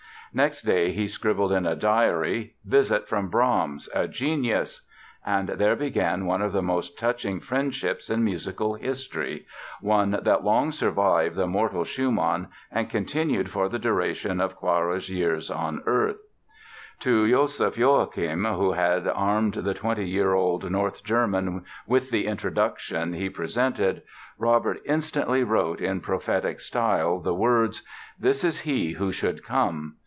Next day he scribbled in a diary: "Visit from Brahms (a genius)". And there began one of the most touching friendships in musical history, one that long survived the mortal Schumann and continued for the duration of Clara's years on earth. To Joseph Joachim, who had armed the twenty year old North German with the introduction he presented, Robert instantly wrote "in prophetic style" the words: "This is he who should come".